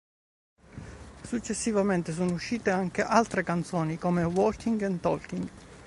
Successivamente sono uscite anche altre canzoni come "Walking And Talking".